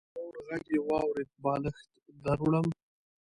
د مور غږ يې واورېد: بالښت دروړم.